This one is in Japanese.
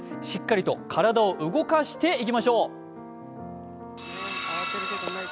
しっかりと体を動かしていきましょう。